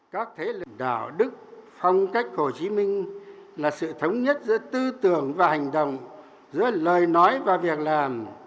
các thế lực đạo đức phong cách hồ chí minh là sự thống nhất giữa tư tưởng và hành động giữa lời nói và việc làm